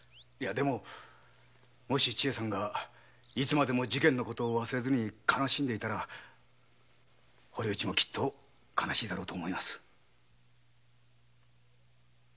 でも千恵さんがいつまでも事件の事を忘れず悲しんでいたら堀内もきっと悲しいだろうと思います。